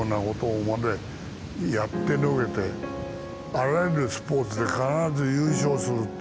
あらゆるスポーツで必ず優勝するって。